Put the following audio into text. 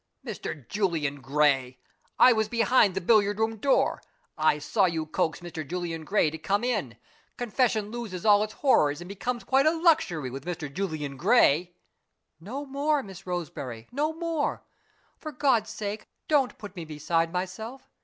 "Mr. Julian Gray! I was behind the billiard room door I saw you coax Mr. Julian Gray to come in! confession loses all its horrors, and becomes quite a luxury, with Mr. Julian Gray!" "No more, Miss Roseberry! no more! For God's sake, don't put me beside myself!